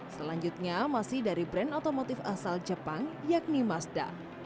selanjutnya masih dari brand otomotif asal jepang yakni mazda